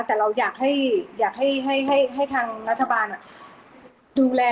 แต่เราอยากให้ทางรัฐบาลดูแล